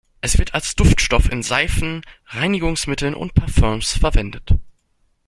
Es wird als Duftstoff in Seifen, Reinigungsmitteln und Parfüms verwendet.